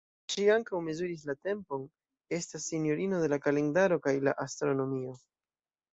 Ŝi ankaŭ mezuris la tempon, estas Sinjorino de la Kalendaro kaj la Astronomio.